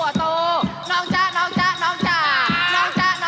โอ้โหโอ้โหโอ้โหโอ้โห